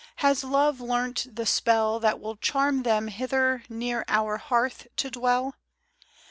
Has Love learnt the spell That will charm them hither, Near our hearth to dwell